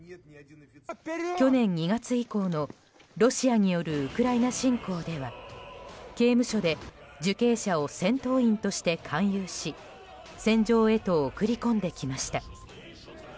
去年２月以降のロシアによるウクライナ侵攻では刑務所で受刑者を戦闘員として勧誘し戦場へと送り込んできました。